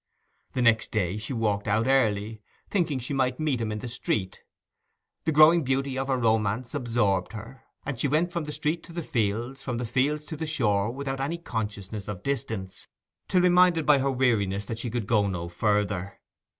The next day she walked out early, thinking she might meet him in the street. The growing beauty of her romance absorbed her, and she went from the street to the fields, and from the fields to the shore, without any consciousness of distance, till reminded by her weariness that she could go no further.